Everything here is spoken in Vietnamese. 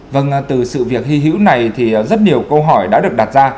vâng từ sự việc hy hữu này thì rất nhiều câu hỏi đã được đặt ra